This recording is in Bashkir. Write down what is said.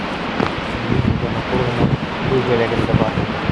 Минең һеҙгә матур ғына туй бүләгем дә бар.